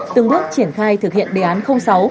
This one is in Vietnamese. từng bước triển khai thực hiện đề án sáu